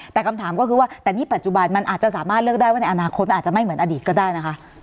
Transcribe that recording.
แต่คำถามก็คือว่าแต่นี่ปัจจุบันมันอาจจะสามารถเลือกได้ว่าในอนาคตมันอาจจะไม่เหมือนอดีตก็ได้นะคะ